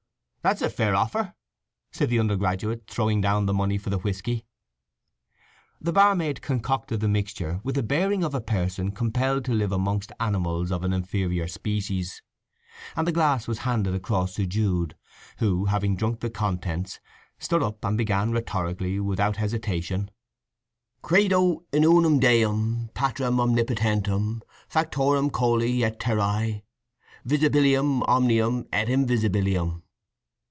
"That's a fair offer," said the undergraduate, throwing down the money for the whisky. The barmaid concocted the mixture with the bearing of a person compelled to live amongst animals of an inferior species, and the glass was handed across to Jude, who, having drunk the contents, stood up and began rhetorically, without hesitation: "_Credo in unum Deum, Patrem omnipotentem, Factorem coeli et terrae, visibilium omnium et invisibilium.